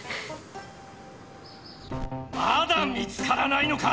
まだ見つからないのか！